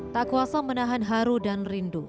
tak kuasa menahan haru dan rindu